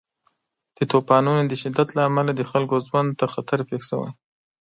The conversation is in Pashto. د طوفانونو د شدت له امله د خلکو ژوند ته خطر پېښ شوی.